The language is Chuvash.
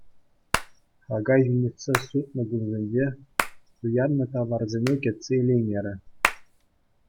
Хака йӳнетсе сутнӑ кунсенче туяннӑ таварсене кӗтсе илеймерӗ.